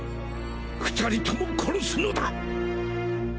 ２人とも殺すのだ。